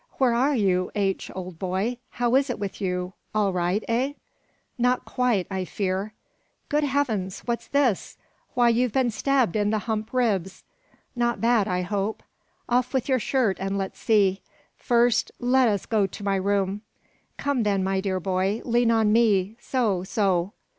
"Where are you, H., old boy. How is it with you? all right, eh?" "Not quite, I tear." "Good heavens! what's this? why, you're stabbed in the hump ribs! Not bad, I hope. Off with your shirt and let's see." "First, let us to my room." "Come, then, my dear boy, lean on me so, so!"